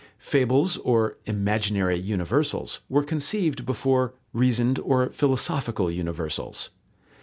Fables or "imaginary universals" were conceived before "reasoned or philosophical universals."